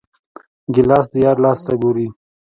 ګیلاس د یار لاس ته ګوري.